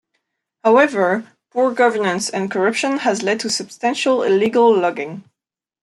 However, poor governance and corruption has led to substantial illegal logging.